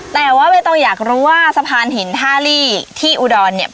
แต่ว่าใบตองอยากรู้ว่าสะพานหินท่าลี่ที่อุดรเนี่ย